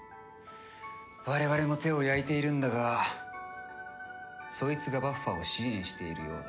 我々も手を焼いているんだがそいつがバッファを支援しているようだ。